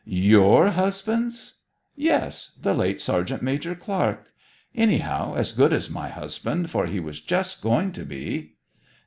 'Your husband's!' 'Yes. The late Sergeant Major Clark. Anyhow, as good as my husband, for he was just going to be.'